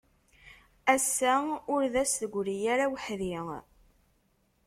Ass-a ur d as-tegri ara weḥd-i.